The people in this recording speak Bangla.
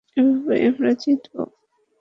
এভাবেই আমরা জিতব।